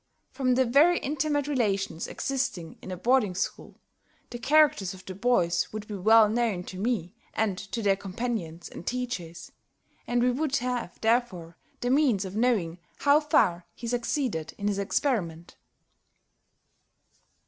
From the very intimate relations existing in a boarding school, the characters of the boys would be well known to me and to their companions and teachers, and we would have therefore the means of knowing how far he succeeded in his experiment.